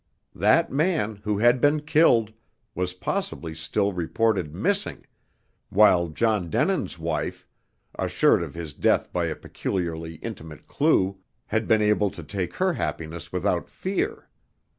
That man, who had been killed, was possibly still reported "missing," while John Denin's wife, assured of his death by a peculiarly intimate clue, had been able to take her happiness without fear.